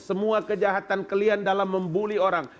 semua kejahatan kalian dalam membuli orang